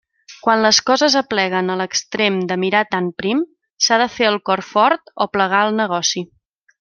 Quan les coses apleguen a l'extrem de mirar tan prim, s'ha de fer el cor fort o plegar el negoci.